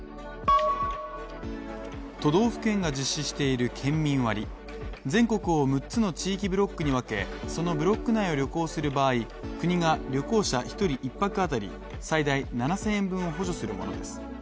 都道府県が実施している県民割全国を６つの地域・ブロックに分け、そのブロック内を旅行する場合、国が旅行者１人１泊当たり最大７０００円分を補助するものです。